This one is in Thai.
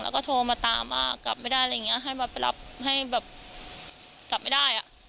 แล้วก็โทรมาตามมากลับไม่ได้อะไรอย่างเงี้ยให้มาไปรับให้แบบกลับไม่ได้อ่ะ